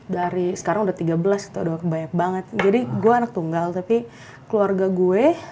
dari sekarang udah tiga belas itu udah banyak banget jadi gue anak tunggal tapi keluarga gue